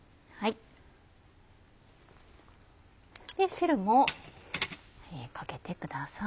汁もかけてください。